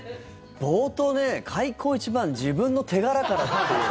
冒頭で開口一番自分の手柄からという。